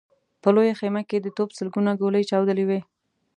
په لويه خيمه کې د توپ سلګونه ګولۍ چاودلې وې.